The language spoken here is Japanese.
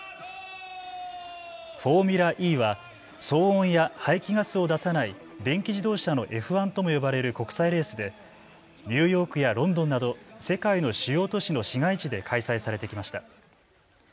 フォーミュラＥは騒音や排気ガスを出さない電気自動車のＦ１とも呼ばれる国際レースでニューヨークやロンドンなど世界の主要都市の市街地で開催されてきました。